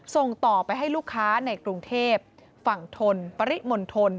ส่งต่อไปให้ลูกค้าในกรุงเทพฝั่งทนปริมณฑล